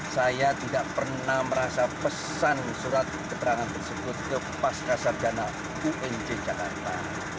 saya tidak pernah merasa pesan surat keterangan tersebut ke pasca sarjana unj jakarta